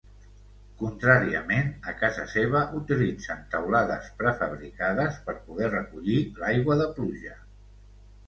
Contràriament, a casa seva utilitzen teulades prefabricades per poder recollir l'aigua de pluja.